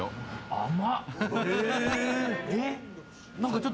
甘っ！